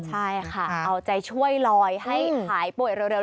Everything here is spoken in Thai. ใช่ค่ะเอาใจช่วยลอยให้หายป่วยเร็ว